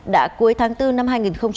đã cuối tháng bốn năm hai nghìn hai mươi